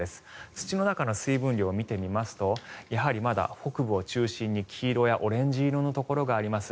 土の中の水分量を見てみますとまだ北部を中心に黄色やオレンジ色のところがあります。